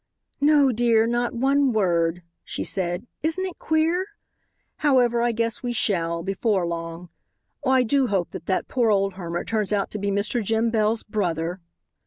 "No, dear, not one word," she said; "isn't it queer? However, I guess we shall, before long. Oh, I do hope that that poor old hermit turns out to be Mr. Jim Bell's brother."